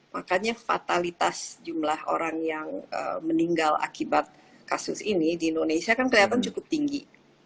makanya fatalitas jumlah orang yang meninggal akibat kasus ini di indonesia kan kelihatan cukup tinggi